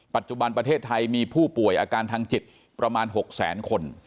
ปัจจุบันประเทศไทยมีผู้ป่วยอาการทางจิตประมาณ๖แสนคน